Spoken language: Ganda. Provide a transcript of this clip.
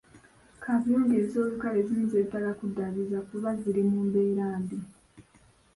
Kaabuyonjo ez'olukale ezimu zeetaaga kuddaabiriza kuba ziri mu mbeera mbi.